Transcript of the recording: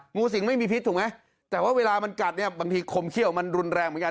งูสิงไม่มีพิษถูกไหมแต่ว่าเวลามันกัดเนี่ยบางทีคมเขี้ยวมันรุนแรงเหมือนกัน